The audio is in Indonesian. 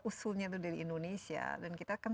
usulnya itu dari indonesia dan kita kan